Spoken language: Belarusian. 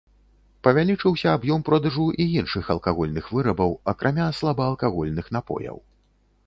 Павялічыўся аб'ём продажу і іншых алкагольных вырабаў, акрамя слабаалкагольных напояў.